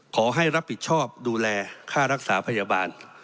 ขอให้รับผิดชอบดูแลค่ารักษาพยาบาล